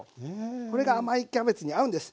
これが甘いキャベツに合うんです。